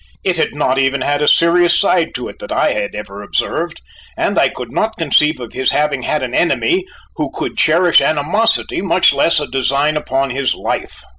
It had not even had a serious side to it that I had ever observed, and I could not conceive of his having had an enemy who could cherish animosity, much less a design upon his life.